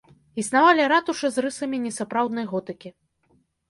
Існавалі ратушы з рысамі несапраўднай готыкі.